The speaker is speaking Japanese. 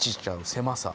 狭さ。